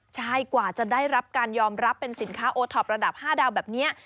ใช่กว่าจะได้รับการยอมรับเป็นสินค้าโอท็อประดับ๕ดาวแบบนี้